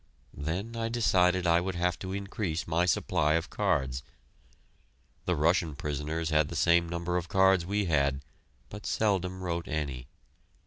Then I decided I would have to increase my supply of cards. The Russian prisoners had the same number of cards we had, but seldom wrote any.